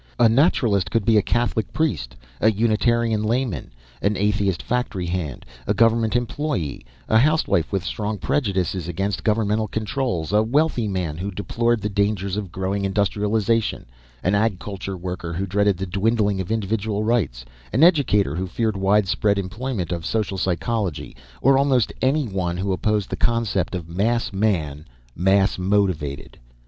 A Naturalist could be a Catholic priest, a Unitarian layman, an atheist factory hand, a government employee, a housewife with strong prejudices against governmental controls, a wealthy man who deplored the dangers of growing industrialization, an Ag Culture worker who dreaded the dwindling of individual rights, an educator who feared widespread employment of social psychology, or almost anyone who opposed the concept of Mass Man, Mass Motivated.